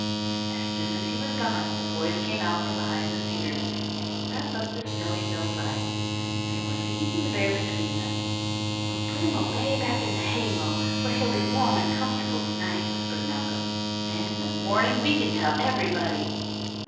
As soon as he was gone, the boys came out from behind the cedars, and crept up the snowy hillside. They were leading the bear between them. "We'll put him away back in the hay mow where he'll be warm and comfortable to night," whispered Malcolm. "Then in the morning we can tell everybody."